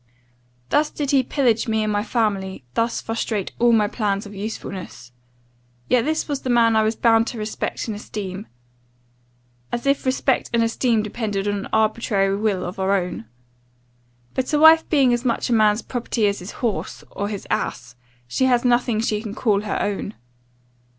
"Thus did he pillage me and my family, thus frustrate all my plans of usefulness. Yet this was the man I was bound to respect and esteem: as if respect and esteem depended on an arbitrary will of our own! But a wife being as much a man's property as his horse, or his ass, she has nothing she can call her own.